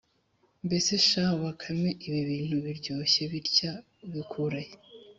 mbese shahu bakame ibi bintu biryoshye bitya, ubikura he